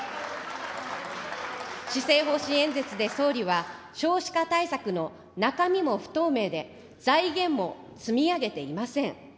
施政方針演説で総理は、少子化対策の中身も不透明で、財源も積み上げていません。